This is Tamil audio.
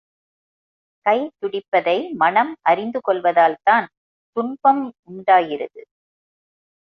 கை துடிப்பதை மனம் அறிந்து கொள்வதால்தான் துன்பம் உண்டாகிறது.